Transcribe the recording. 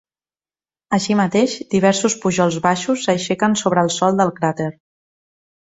Així mateix, diversos pujols baixos s'aixequen sobre el sòl del cràter.